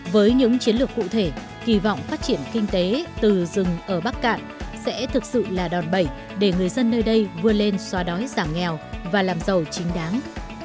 với những chiến lược cụ thể kỳ vọng phát triển kinh tế từ rừng ở bắc cạn sẽ thực sự là đòn bẩy để người dân nơi đây vươn lên xóa đói giảm nghèo và làm giàu chính đáng